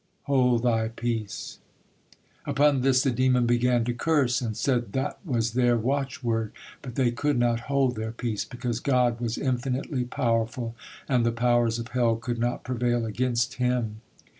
(Hold thy peace). "Upon this the demon began to curse, and said that was their watchword; but they could not hold their peace, because God was infinitely powerful, and the powers of hell could not prevail against Him.